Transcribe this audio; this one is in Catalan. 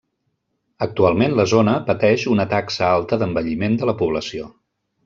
Actualment la zona pateix una taxa alta d'envelliment de la població.